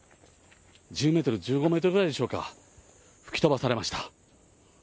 １０メートル、１５メートルぐらいでしょうか、吹き飛ばされました。